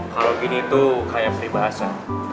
kalau gini tuh kayak peribahasa